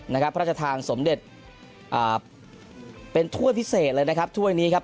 พระราชทานสมเด็จอ่าเป็นถ้วยพิเศษเลยนะครับถ้วยนี้ครับ